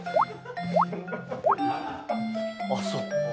あっそう。